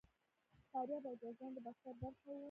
فاریاب او جوزجان د باختر برخه وو